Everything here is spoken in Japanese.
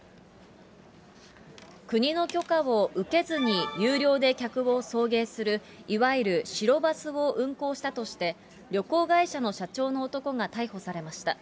国の許可を受けずに有料で客を送迎する、いわゆる白バスを運行したとして、旅行会社の社長の男が逮捕されました。